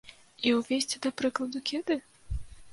І ўвесці, да прыкладу, кеды?